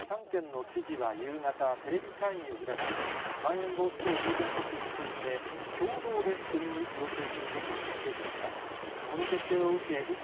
３県の知事は夕方、テレビ会議を開き、まん延防止等重点措置について、共同で国に要請することを決定しました。